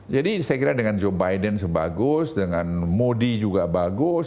jadi saya kira dengan joe biden sebagus dengan modi juga bagus